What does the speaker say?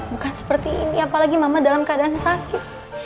bukan seperti ini apalagi mama dalam keadaan sakit